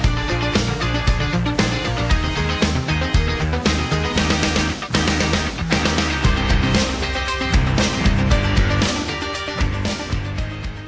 คนที่มาทานอย่างเงี้ยควรจะมาทานแบบคนเดียวนะครับ